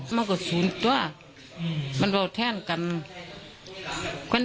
ไม่รู้จริงว่าเกิดอะไรขึ้น